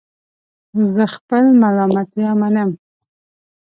زه خپل ملامتیا منم